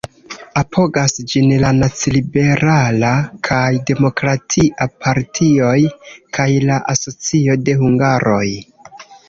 Apogas ĝin la Naciliberala kaj Demokratia Partioj kaj la Asocio de Hungaroj.